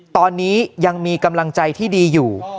ตอนนี้ยังมีกำลังใจที่ดีอยู่